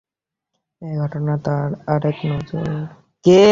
এ ঘটনা তার আরেক নজির।